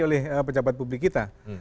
oleh pejabat publik kita